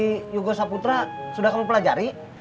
di yogyakarta sudah kamu pelajari